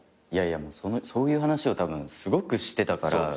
いやいやそういう話をたぶんすごくしてたから。